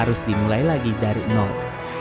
harus dimulai lagi dari nol